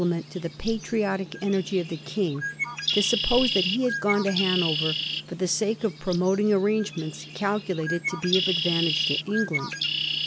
ment to the patriotic energy of the King to suppose that he had gone to Hanover for the sake of promoting arrangements calculated to be of advantage to England.